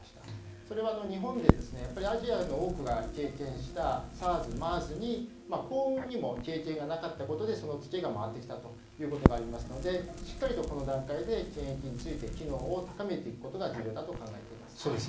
それは日本でアジアの多くが経験したＳＡＲＳ、ＭＥＲＳに幸運にも経験がなかったことでそのツケが回ってきたということがありますのでしっかりとこの段階で検疫について機能を高めていくことが重要だと考えています。